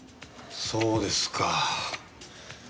そうですか。